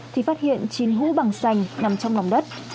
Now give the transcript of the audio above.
thì phát hiện chín hũ bằng sành nằm trong lòng đất